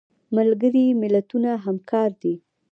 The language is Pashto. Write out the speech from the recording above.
ملګري ملتونه همکار دي